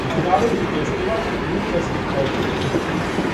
Међународни фестивал луткарских позоришта.